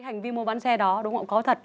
hành vi mua bán xe đó đúng không có thật